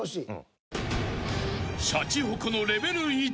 ［シャチホコのレベル１］